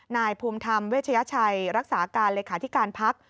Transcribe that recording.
นายภูมิธรรมเวชยชัยรักษาการเลขาธิการพัก